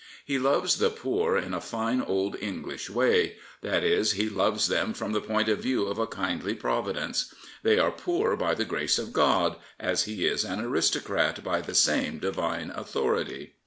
He loves the poor in a fine old English way; that is, he loves them from the point of view of a kindly Providence. They are poor by the grace of God, as he is an aristocrat by the same divine authority.